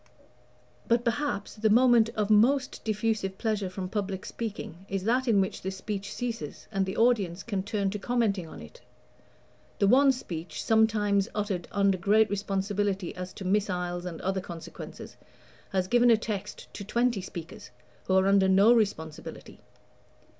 But, perhaps, the moment of most diffusive pleasure from public speaking is that in which the speech ceases and the audience can turn to commenting on it. The one speech, sometimes uttered under great responsibility as to missiles and other consequences, has given a text to twenty speakers who are under no responsibility.